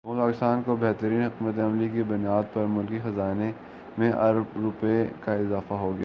حکومت پاکستان کی بہترین حکمت عملی کی بنیاد پر ملکی خزانے میں ارب روپے کا اضافہ ہوگیا ہے